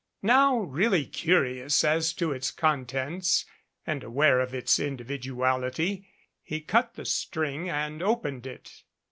Now really curious as to its contents and aware of its individuality, he cut the string and opened it.